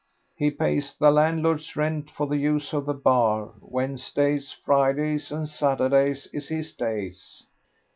He pays the landlord's rent for the use of the bar Wednesdays, Fridays, and Saturdays is his days.